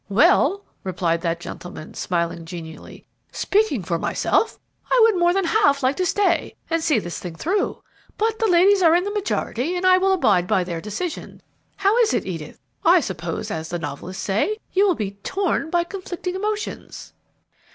"Well," replied that gentleman, smiling genially, "speaking for myself, I would more than half like to stay and see this thing through; but the ladies are in the majority, and I will abide by their decision. How is it, Edith? I suppose, as the novelists say, you will be 'torn by conflicting emotions.'"